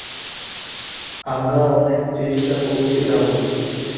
আমরা অনেক চেষ্টা করছি রাহুল।